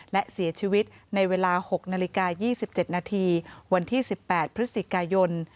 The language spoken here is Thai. และเสียชีวิตในเวลา๖นาฬิกา๒๗นาทีวันที่๑๘พฤศจิกายน